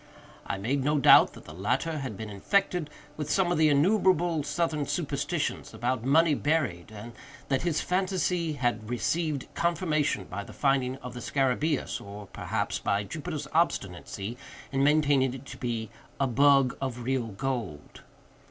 I made no doubt that the latter had been infected with some of the innumerable Southern superstitions about money buried, and that his phantasy had received confirmation by the finding of the scarabæus, or, perhaps, by Jupiter's obstinacy in maintaining it to be "a bug of real gold."